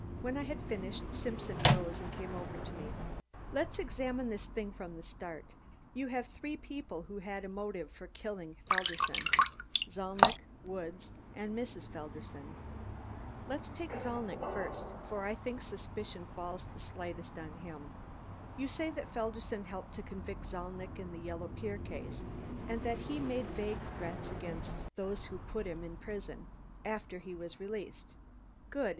When I had finished, Simpson rose and came over to me. "Let's examine this thing from the start. You have three people who had a motive for killing Felderson Zalnitch, Woods and Mrs. Felderson. Let's take Zalnitch first, for I think suspicion falls the slightest on him. You say that Felderson helped to convict Zalnitch in the Yellow Pier case and that he made vague threats against those who had put him in prison, after he was released. Good!